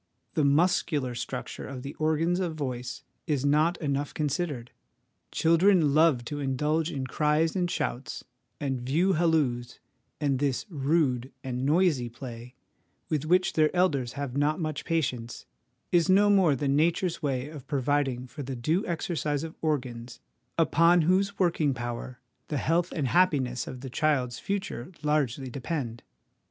The muscular structure of the organs of voice is not enough considered ; children love to indulge in cries and shouts and view halloos, and this ' rude ' and 1 noisy ' play, with which their elders have not much patience, is no more than Nature's way of providing for the due exercise of organs, upon whose working power the health and happiness of the child's future largely depend.